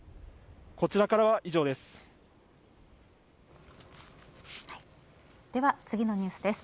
こちらからは、以上です。